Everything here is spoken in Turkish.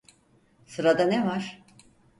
Sırada ne var?